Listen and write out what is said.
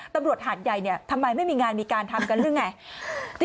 ตำรวจหาดใหญ่เนี่ยทำไมไม่มีงานมีการทำกันหรือไง